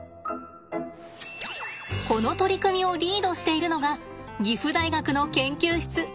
この取り組みをリードしているのが岐阜大学の研究室というわけです。